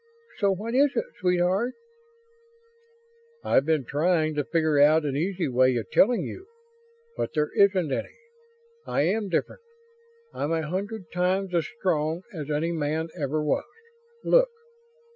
So what is it, sweetheart?" "I've been trying to figure out an easy way of telling you, but there isn't any. I am different. I'm a hundred times as strong as any man ever was. Look."